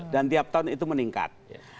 dan tiap tahun itu meningkat